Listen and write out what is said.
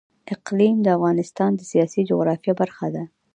اقلیم د افغانستان د سیاسي جغرافیه برخه ده.